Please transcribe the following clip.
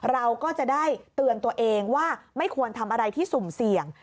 เราก็จะได้เตือนตัวเองว่าไม่ควรทำอะไรที่สุ่มเสี่ยง